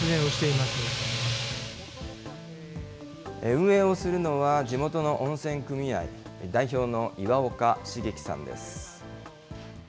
運営をするのは、地元の温泉組合代表の岩岡重樹さんです。